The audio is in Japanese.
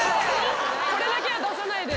これだけは出さないで。